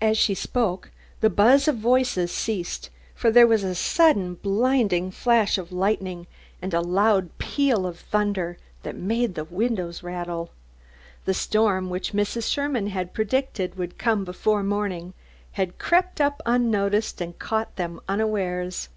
As she spoke the buzz of voices ceased, for there was a sudden blinding flash of lightning and a loud peal of thunder that made the windows rattle. The storm which Mrs. Sherman had predicted would come before morning, had crept up unnoticed, and caught them unawares.